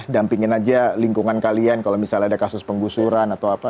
dampingin aja lingkungan kalian kalau misalnya ada kasus penggusuran atau apa